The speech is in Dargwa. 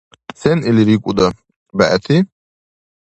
Сен или рикӀуда? БегӀти?